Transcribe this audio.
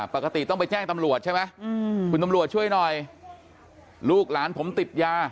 ปกติต้องไปแจ้งตำรวจใช่ไหมคุณตำรวจช่วยหน่อยลูกหลานผมติดยา